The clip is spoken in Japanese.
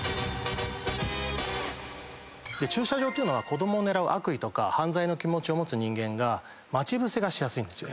駐車場は子どもを狙う悪意とか犯罪の気持ちを持つ人間が待ち伏せがしやすいんですよ。